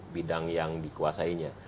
bidang yang dikuasainya